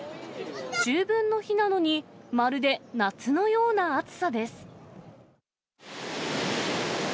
秋分の日なのにまるで夏のような暑さです。